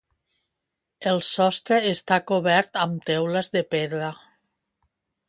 El sostre està cobert amb teules de pedra.